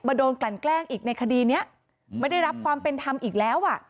โดนกลั่นแกล้งอีกในคดีนี้ไม่ได้รับความเป็นธรรมอีกแล้วอ่ะ